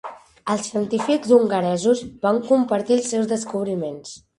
Els científics hongaresos van compartir els seus descobriments.